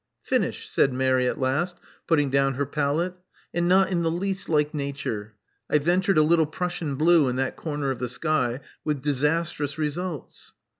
Finished," said Mary at last, putting down her palette. And not in the least like nature. I ventured a little Prussian blue in that corner of the sky, with disastrous results."